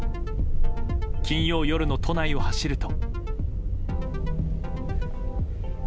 金曜夜の都内を走ると。